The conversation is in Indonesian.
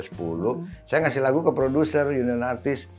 saya ngasih lagu ke produser union artist